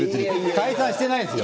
解散してないですよ。